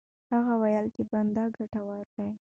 هغه وویل چې بند ګټور دی.